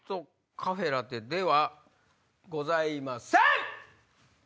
カフェラテではございません！